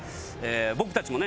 僕たちもね